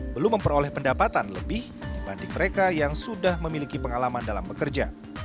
belum memperoleh pendapatan lebih dibanding mereka yang sudah memiliki pengalaman dalam bekerja